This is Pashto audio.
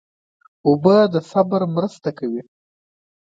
اوبه د صبر مرسته کوي.